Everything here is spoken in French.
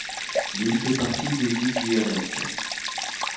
L'île fait partie des îles d'Hyères.